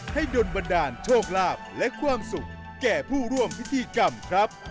ดนบันดาลโชคลาภและความสุขแก่ผู้ร่วมพิธีกรรมครับ